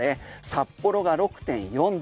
札幌が６．４度。